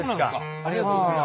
ありがとうございます。